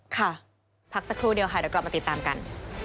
พักสักครู่เดียวค่ะเดี๋ยวกลับมาติดตามกัน